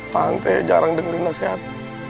pak ang teh jarang dengerin nasihat